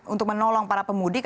untuk menolong para pemudik